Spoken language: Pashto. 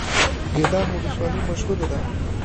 ګیلان ولسوالۍ مشهوره ده؟